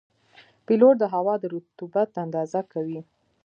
پیلوټ د هوا د رطوبت اندازه کوي.